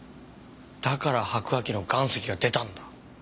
だから白亜紀の岩石が出たんだ。